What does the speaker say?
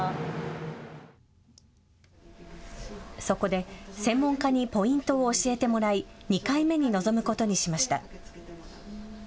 そこで、専門家にポイントを教えてもらい２回目に臨むことにしました。